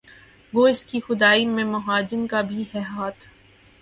گو اس کی خدائی میں مہاجن کا بھی ہے ہاتھ